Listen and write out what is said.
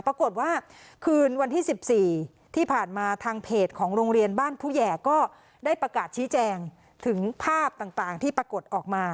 เมื่อคืนวันที่๑๔ที่ผ่านมาทางเพจของโรงเรียนบ้านผู้แห่ก็ได้ประกาศชี้แจงถึงภาพต่างที่ปรากฏออกมา